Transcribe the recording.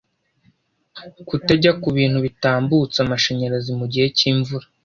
kutajya ku bintu bitambutsa amashanyarazi mu gihe cy’imvura